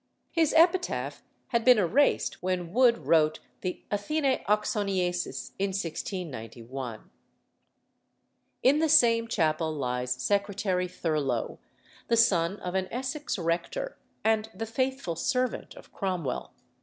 His epitaph had been erased when Wood wrote the Athenæ Oxonienses in 1691. In the same chapel lies Secretary Thurloe, the son of an Essex rector and the faithful servant of Cromwell.